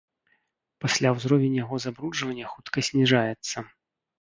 Пасля ўзровень яго забруджвання хутка зніжаецца.